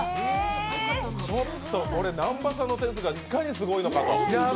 ちょっとこれ、南波さんの点数がいかにすごいのかと。